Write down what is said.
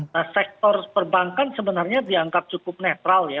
nah sektor perbankan sebenarnya dianggap cukup netral ya